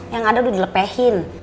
yang ada udah dilepehin